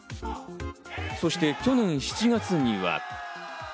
そして、去年７月には。